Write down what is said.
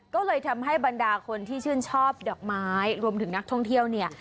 ก็เลยทำให้บรรดาคนที่ชื่นชอบดอกไม้รวมถึงนักท่องเที่ยวเนี่ย